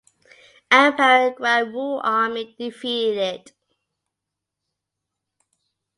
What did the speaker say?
Emperor Guangwu Army defeated it.